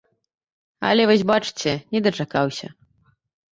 Але, вось бачыце, не дачакаўся.